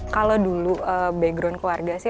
kalau dulu background keluarga sih